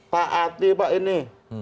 tak hati pak ini